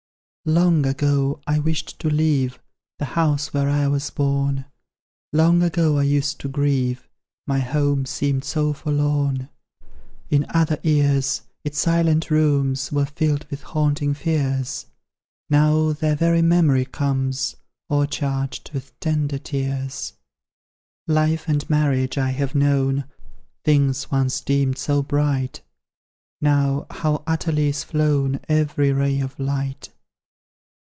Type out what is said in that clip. Long ago I wished to leave "The house where I was born;" Long ago I used to grieve, My home seemed so forlorn. In other years, its silent rooms Were filled with haunting fears; Now, their very memory comes O'ercharged with tender tears. Life and marriage I have known. Things once deemed so bright; Now, how utterly is flown Every ray of light!